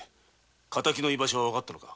敵の居場所は分かったのか？